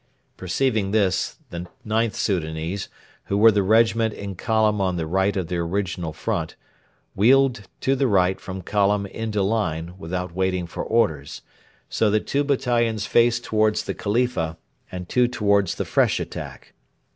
Perceiving this, the IXth Soudanese, who were the regiment in column on the right of the original front, wheeled to the right from column into line without waiting for orders, so that two battalions faced towards the Khalifa and two towards the fresh attack.